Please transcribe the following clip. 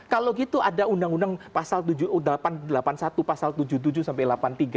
kalau gitu ada undang undang pasal delapan ratus delapan puluh satu pasal tujuh puluh tujuh sampai delapan puluh tiga